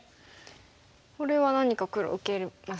これは何か黒受けますか。